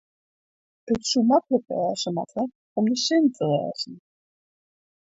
it soe maklik wêze moatte om de sin te lêzen